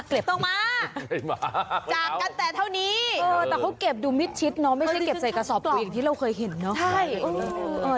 เออแต่เขาเก็บดูมิดชิดเนาะไม่ใช่เก็บใส่กระสอบตัวเองที่เราเคยเห็นเนาะ